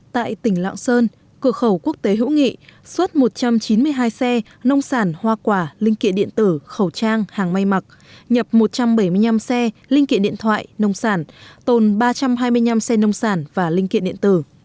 tại tỉnh lạng sơn cửa khẩu quốc tế hữu nghị xuất một trăm chín mươi hai xe nông sản hoa quả linh kiện điện tử khẩu trang hàng may mặc nhập một trăm bảy mươi năm xe linh kiện điện thoại nông sản tồn ba trăm hai mươi năm xe nông sản và linh kiện điện tử